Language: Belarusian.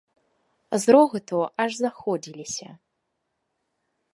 З рогату аж заходзіліся.